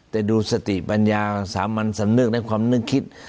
แต่ดูสติปัญญาสามัญสำนึกและความนึกคิด